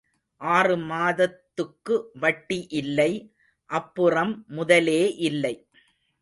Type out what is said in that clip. ஆறு மாதத்துக்கு வட்டி இல்லை அப்புறம் முதலே இல்லை.